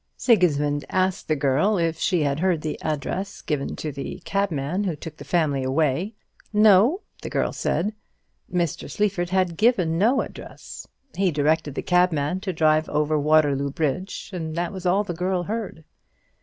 Sigismund asked the girl if she had heard the address given to the cabman who took the family away. "No," the girl said. Mr. Sleaford had given no address. He directed the cabman to drive over Waterloo Bridge, and that was all the girl heard.